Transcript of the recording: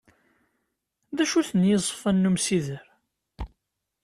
D acu-ten yizefan n umsider?